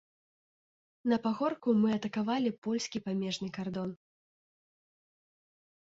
На пагорку мы атакавалі польскі памежны кардон.